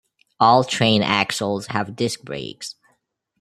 All train axles have disc brakes.